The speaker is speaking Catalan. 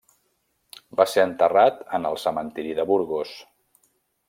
Va ser enterrat en el cementiri de Burgos.